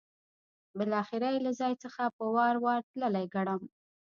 بالاخره یې له دې ځای څخه په وار وار تللی ګڼم.